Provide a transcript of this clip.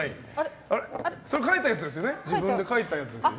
それは自分で書いたやつですよね。